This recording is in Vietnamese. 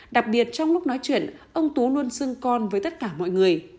đặc biệt trong lúc nói chuyện ông tú luôn xưng con với tất cả mọi người